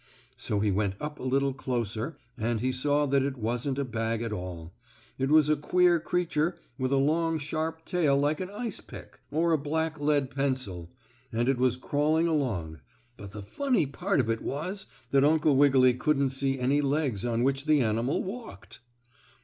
So he went up a little closer and he saw that it wasn't a bag at all. It was a queer creature with a long sharp tail like an ice pick, or a black lead pencil, and it was crawling along, but the funny part of it was that Uncle Wiggily couldn't see any legs on which the animal walked.